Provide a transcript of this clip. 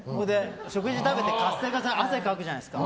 食事食べて、活性化されて汗かくじゃないですか。